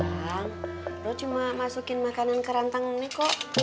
bang lu cuma masukin makanan kerantang nih kok